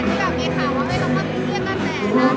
อันนี้แบบมีข่าวว่าไม่ต้องมาพูดเรียกกันแน่นะ